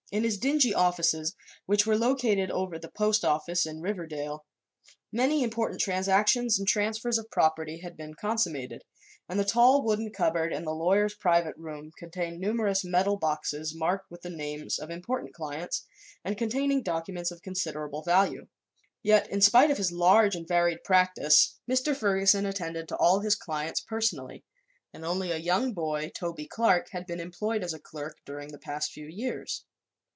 In his dingy offices, which were located over the post office in Riverdale, many important transactions and transfers of property had been consummated, and the tall wooden cupboard in the lawyer's private room contained numerous metal boxes marked with the names of important clients and containing documents of considerable value. Yet, in spite of his large and varied practice, Mr. Ferguson attended to all his clients personally and only a young boy, Toby Clark, had been employed as a clerk during the past few years.